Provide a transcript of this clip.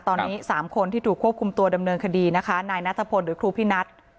ตอนนี้๓คนที่ถูกควบคุมตัวดำเนินคดีนะคะนายนัทพลหรือครูพินัท